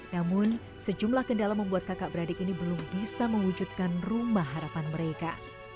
namun sejumlah kendala membuat kakak beradik ini belum bisa mewujudkan rumah harapan mereka